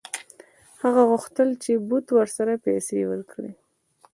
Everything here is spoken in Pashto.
هغه غوښتل چې بت ورته پیسې ورکړي.